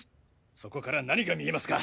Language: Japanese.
そこから何が見えますか！